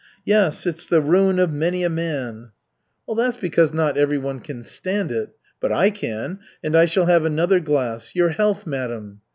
"Yes, it's the ruin of many a man." "That's because not everyone can stand it. But I can, and I shall have another glass. Your health, madam."